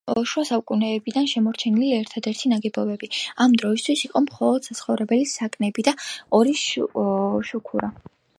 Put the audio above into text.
შუა საუკუნეებიდან შემორჩენილი ერთადერთი ნაგებობები ამ დროისთვის იყო მხოლოდ საცხოვრებელი საკნები და ორი შუქურა.